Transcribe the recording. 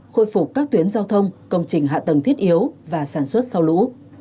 khôi phục các tuyến giao thông công trình hạ tầng thiết yếu và sản xuất sau lũ